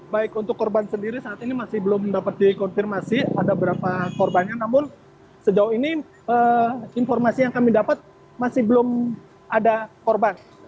baik untuk korban sendiri saat ini masih belum dapat dikonfirmasi ada berapa korbannya namun sejauh ini informasi yang kami dapat masih belum ada korban